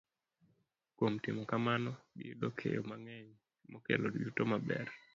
Kuom timo kamano, giyudo keyo mang'eny makelo yuto maber.